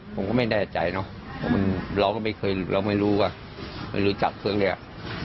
ผมก็ไม่แน่ใจเนอะเพราะเราก็ไม่เคยเราไม่รู้ว่าไม่รู้จักเครื่องนี้